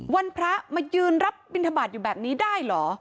พระมายืนรับบินทบาทอยู่แบบนี้ได้เหรอ